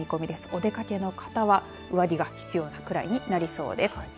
お出かけの方は上着が必要なくらいになりそうです。